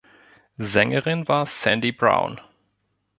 Sängerin war Sandy Brown.